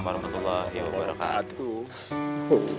waalaikumsalam warahmatullahi wabarakatuh